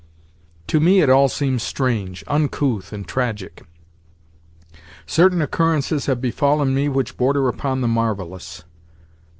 To me it all seems strange, uncouth, and tragic. Certain occurrences have befallen me which border upon the marvellous.